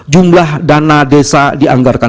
jumlah dana desa dianggarkan